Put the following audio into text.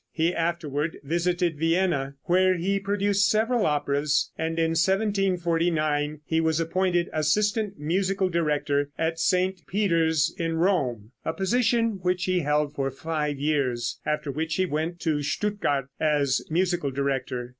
He afterward visited Vienna, where he produced several operas, and in 1749 he was appointed assistant musical director at St. Peter's in Rome, a position which he held for five years, after which he went to Stuttgart, as musical director.